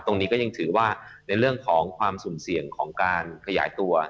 ก็ยังถือว่าในเรื่องของความสุ่มเสี่ยงของการขยายตัว